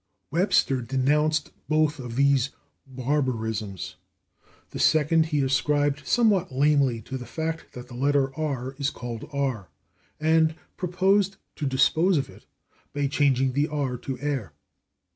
Webster denounced both of these barbarisms. The second he ascribed somewhat lamely to the fact that the letter /r/ is called /ar/, and proposed to dispose of it by changing the /ar/ to /er